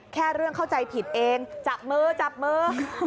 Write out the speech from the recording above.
แค่เรื่องเข้าใจผิดเองจับมือจับมือ